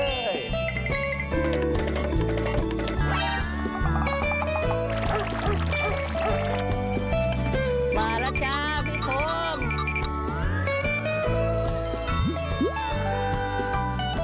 มาแล้วจ้าพี่โคม